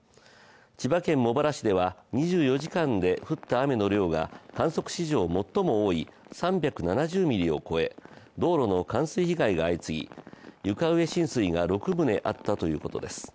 千葉県茂原市では２４時間で降った雨の量が観測史上最も多い３７０ミリを超え道路の冠水被害が相次ぎ、床上浸水が６棟あったということです。